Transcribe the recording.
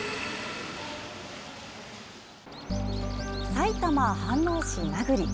埼玉・飯能市名栗。